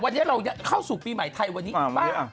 วันนี้เราเข้าสู่ปีใหม่ไทยวันนี้ป่ะ